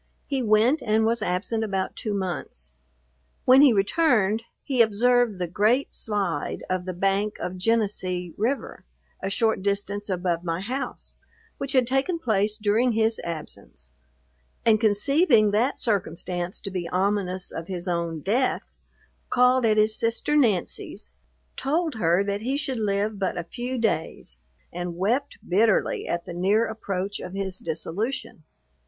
He went, and was absent about two months. When he returned, he observed the Great Slide of the bank of Genesee river, a short distance above my house, which had taken place during his absence; and conceiving that circumstance to be ominous of his own death, called at his sister Nancy's, told her that he should live but a few days, and wept bitterly at the near approach of his dissolution.